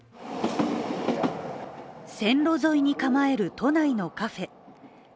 線路沿いに構える、都内のカフェ。